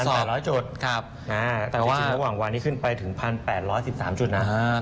จริงประมาณวันนี้ขึ้นไปถึง๑๘๑๓จุดนะครับ